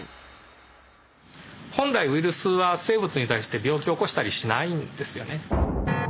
本来ウイルスは生物に対して病気を起こしたりしないんですよね。